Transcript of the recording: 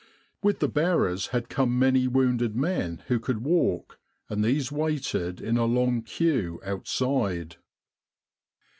With the bearers had come many wounded men who could walk, and these waited in a long queue outside.